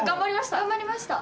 頑張りました！